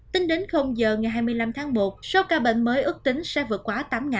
tính đến giờ ngày hai mươi năm tháng một số ca bệnh mới ước tính sẽ vượt quá tám